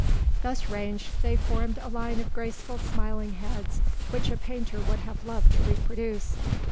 Thus ranged, they formed a line of graceful, smiling heads which a painter would have loved to reproduce.